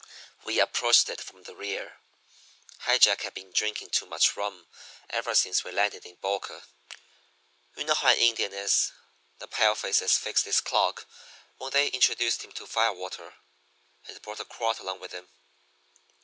We approached it from the rear. "High Jack had been drinking too much rum ever since we landed in Boca. You know how an Indian is the palefaces fixed his clock when they introduced him to firewater. He'd brought a quart along with him.